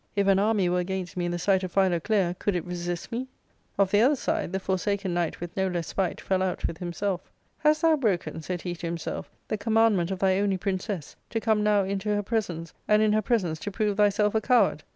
If an army were against me in the sight of Philoclea, could it resist me ?'* Of the other side, the For saken Knight, with no less spite, fell out with himself. Hast thou broken," said he to himself, " the commandment of thy only princess, to come now into her presence, and in her presence to prove thyself a coward